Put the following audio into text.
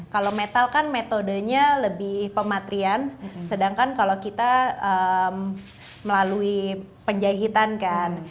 kalau metal kan metodenya lebih pematrian sedangkan kalau kita melalui penjahitan kan